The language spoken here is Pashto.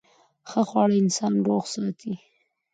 ښه خواړه انسان روغ ساتي.